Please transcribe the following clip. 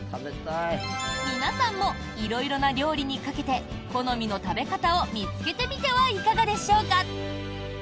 皆さんも、色々な料理にかけて好みの食べ方を見つけてみてはいかがでしょうか。